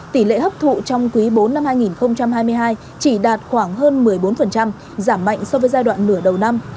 tỷ lệ hấp thụ trong quý bốn năm hai nghìn hai mươi hai chỉ đạt khoảng hơn một mươi bốn giảm mạnh so với giai đoạn nửa đầu năm